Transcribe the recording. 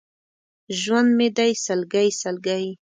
ژوند مې دی سلګۍ، سلګۍ!